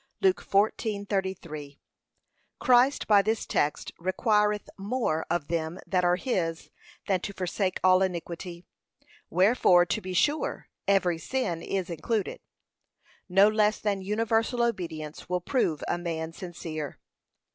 (Luke 14:33) Christ by this text requireth more of them that are his than to forsake all iniquity. Wherefore, to be sure, every sin is included. No less than universal obedience will prove a man sincere.